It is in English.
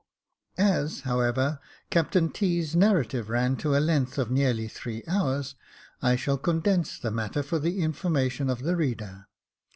As, however. Captain T.'s narrative ran to a length of nearly three hours, I shall condense the matter for the information of the reader.